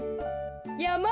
やま！